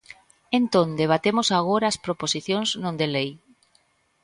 Entón, debatemos agora as proposicións non de lei.